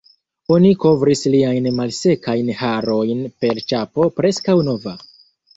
Oni kovris liajn malsekajn harojn per ĉapo preskaŭ nova.